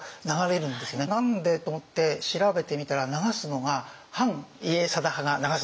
「何で？」と思って調べてみたら流すのが反家定派が流すんです。